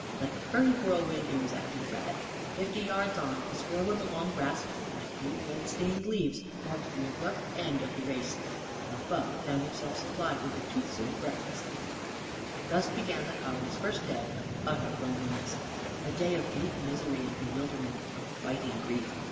Like a furry whirlwind, he was after the rabbit. Fifty yards on, a swirl in the long grass and a few red stained leaves marked the abrupt end of the race. And Buff found himself supplied with a toothsome breakfast. Thus began the collie's first day of utter loneliness; a day of bleak misery and bewilderment, of biting grief.